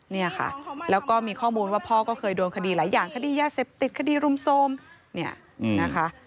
เนี่ยค่ะแล้วก็มีข้อมูลว่าพ่อก็เคยโดนคดีหลายอย่างคดียาเสพติดคดีรุมโทรมเนี่ยนะคะ